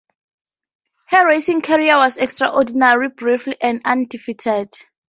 Her racing career was extraordinarily brief - and undefeated.